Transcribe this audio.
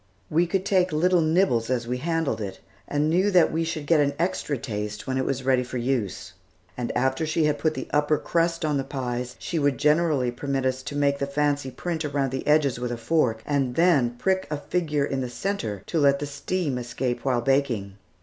We could take little nibbles as we handled it, and knew that we should get an extra taste when it was ready for use. And after she had put the upper crust on the pies, she would generally permit us to make the fancy print around the edges with a fork, and then prick a figure in the centre to let the steam escape while baking.